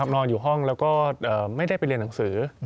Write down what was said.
นอนอยู่ห้องแล้วก็ไม่ได้ไปเรียนหนังสือ